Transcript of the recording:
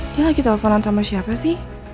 dia lagi teleponan sama siapa sih